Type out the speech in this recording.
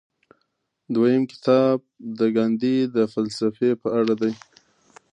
دویم کتاب د ګاندي د فلسفې په اړه دی.